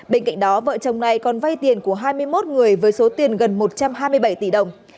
bên cạnh đó vợ chồng này còn vay tiền của hai mươi một người với số tiền gần một trăm hai mươi bảy tỷ đồng